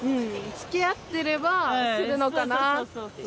つきあってればするのかなって。